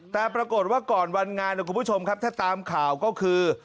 แต่ปรากฏว่าก่อนวันงานถ้าตามข่าวก็คือ